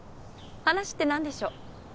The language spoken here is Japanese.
話って何でしょう？